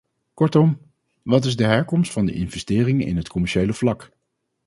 Kortom, wat is de herkomst van de investeringen in het commerciële vlak.